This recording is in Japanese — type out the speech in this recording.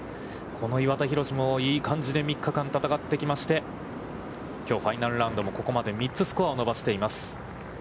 この岩田寛もいい感じで３日間、戦ってきまして、きょうファイナルラウンドもここまで３つスコアを伸ばしています。